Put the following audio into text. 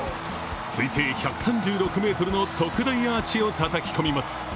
推定１３６ｍの特大アーチをたたき込みます。